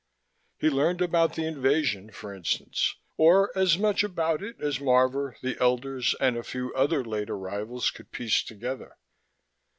He learned about the invasion, for instance or as much about it as Marvor, the elders and a few other late arrivals could piece together.